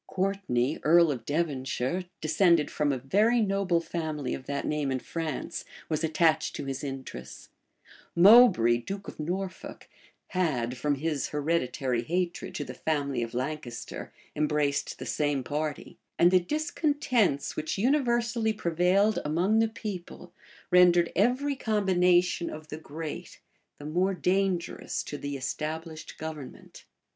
Courtney, earl of Devonshire, descended from a very noble family of that name in France, was attached to his interests: Moubray, duke of Norfolk, had, from his hereditary hatred to the family of Lancaster, embraced the same party: and the discontents which universally prevailed among the people, rendered every combination of the great the more dangerous to the established government.